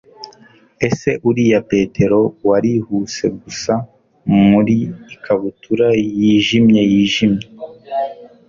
Ese uriya Petero warihuse gusa muri ikabutura yijimye yijimye?